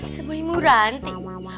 semua ibu ranti